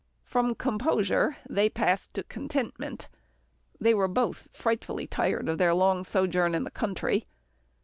From composure, they passed to contentment. They were both frightfully tired of their long sojourn in the country.